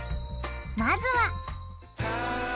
まずは。